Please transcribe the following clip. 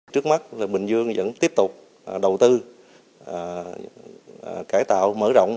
trước mắt bình dương vẫn tiếp tục đầu tư cải tạo mở rộng